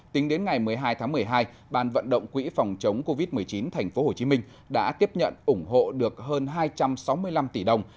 tính đến ngày một mươi hai tháng một mươi hai bàn vận động quỹ phòng chống covid một mươi chín tp hcm đã tiếp nhận ủng hộ được hơn hai trăm sáu mươi năm tỷ đồng